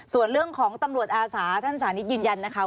ส่วนเรื่องของตำรวจอาสาท่านสานิทยืนยันนะคะ